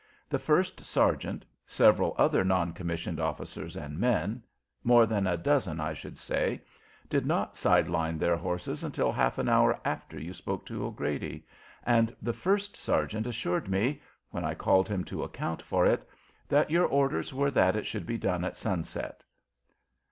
"The first sergeant, several other non commissioned officers and men, more than a dozen, I should say, did not side line their horses until half an hour after you spoke to O'Grady, and the first sergeant assured me, when I called him to account for it, that your orders were that it should be done at sunset."